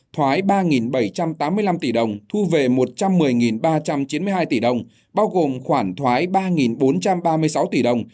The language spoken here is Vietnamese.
thoái ba bảy trăm tám mươi năm tỷ đồng thu về một trăm một mươi ba trăm chín mươi hai tỷ đồng bao gồm khoản thoái ba bốn trăm ba mươi sáu tỷ đồng